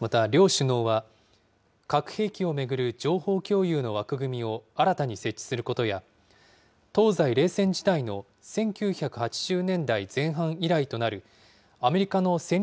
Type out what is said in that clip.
また、両首脳は核兵器を巡る情報共有の枠組みを新たに設置することや、東西冷戦時代の１９８０年代前半以来となるアメリカの戦略